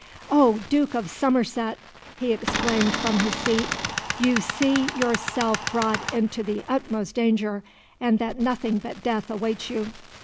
"O Duke of Somerset," he exclaimed from his seat, "you see yourself brought into the utmost danger, and that nothing but death awaits you.